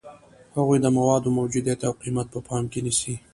هغوی د موادو موجودیت او قیمت په پام کې نیسي.